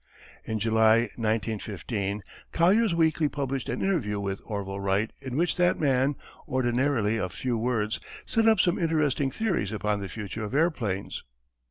In July, 1915, Collier's Weekly published an interview with Orville Wright in which that man, ordinarily of few words, set up some interesting theories upon the future of airplanes.